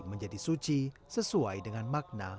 menjadi suci sesuai dengan makna